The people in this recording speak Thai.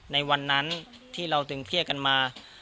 ในวันนั้นที่เราตึงเครียดกันมา